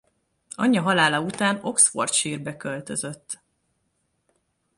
Anyja halála után Oxfordshire-be költözött.